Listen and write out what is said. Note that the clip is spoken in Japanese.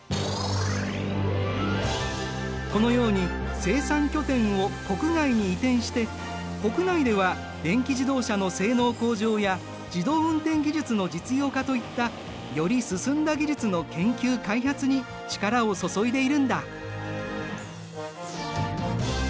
このように生産拠点を国外に移転して国内では電気自動車の性能向上や自動運転技術の実用化といったより進んだ技術の研究・開発に力を注いでいるんだ。